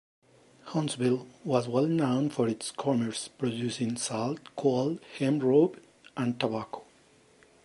Huntsville was well known for its commerce, producing salt, coal, hemp rope, and tobacco.